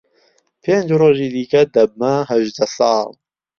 پێنج ڕۆژی دیکە دەبمە هەژدە ساڵ.